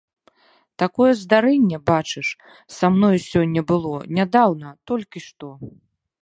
Такое здарэнне, бачыш, са мною сёння было, нядаўна, толькі што.